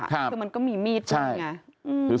คือมันก็มีมีดอีกไง